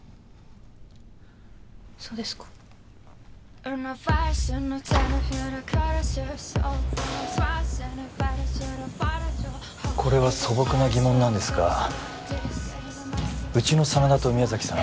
そうですかこれは素朴な疑問なんですがうちの真田と宮崎さん